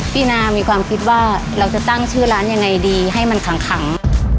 พี่นามีความคิดว่าเราจะตั้งชื่อร้านยังไงดีให้มันขัง